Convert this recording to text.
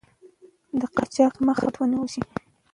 د قاچاق مخه باید ونیول شي.